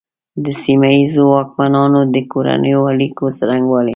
د سیمه ییزو واکمنانو د کورنیو اړیکو څرنګوالي.